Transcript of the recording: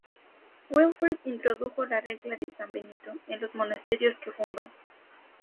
Wilfrid introdujo la "Regla de San Benito" en los monasterios que fundó.